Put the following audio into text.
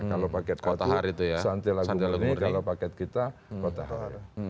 kalau paket a itu santai lagu murni kalau paket kita kota har